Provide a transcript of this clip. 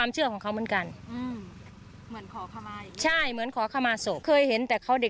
เป็นยาหรอก